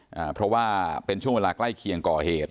เพราะว่าเป็นช่วงเวลาใกล้เคียงก่อเหตุ